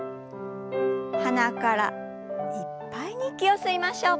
鼻からいっぱいに息を吸いましょう。